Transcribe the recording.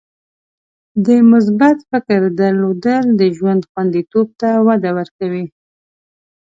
د مثبت فکر درلودل د ژوند خوندیتوب ته وده ورکوي.